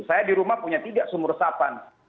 saya di rumah punya tiga sumur resapan